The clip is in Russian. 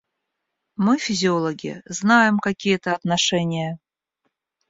Мы, физиологи, знаем, какие это отношения.